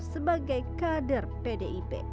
sebagai kader pdip